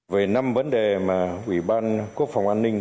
về năm vấn đề mà ủy ban quốc phòng an ninh